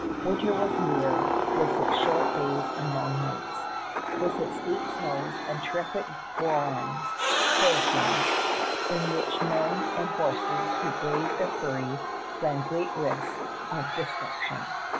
Winter was near with its short days and long nights, with its deep snows and terrific bourans (hurricanes) in which men and horses who braved their fury ran great risk of destruction.